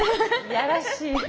いやらしい。